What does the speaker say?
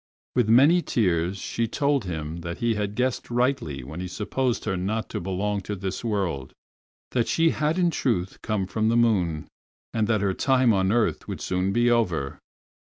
With many tears she told him that he had guessed rightly when he supposed her not to belong to this world—that she had in truth come from the moon, and that her time on earth would soon be over.